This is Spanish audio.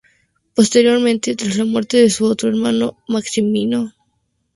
Posteriormente, tras la muerte de su otro hermano, Maximino.